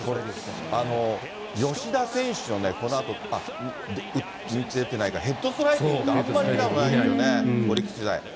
吉田選手のね、このあと、出てないか、ヘッドスライディングってあんまり見なかったですよね、オリックス時代。